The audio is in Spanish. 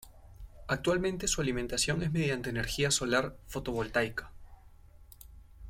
Actualmente su alimentación es mediante energía solar fotovoltaica.